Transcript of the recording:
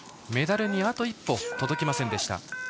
メダルにあと一歩届きませんでした。